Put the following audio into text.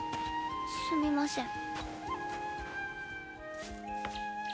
すみません。